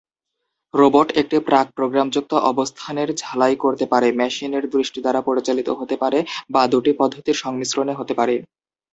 Robot একটি প্রাক-প্রোগ্রামযুক্ত অবস্থানের ঝালাই করতে পারে, মেশিনের দৃষ্টি দ্বারা পরিচালিত হতে পারে, বা দুটি পদ্ধতির সংমিশ্রণে হতে পারে।